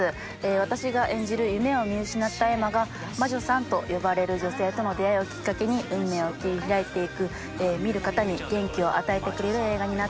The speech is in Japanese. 私が演じる夢を見失った恵麻が「魔女さん」と呼ばれる女性との出会いをきっかけに運命を切り開いていく見る方に元気を与えてくれる映画になっています。